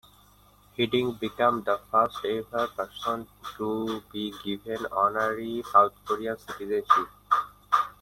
Hiddink became the first-ever person to be given honorary South Korean citizenship.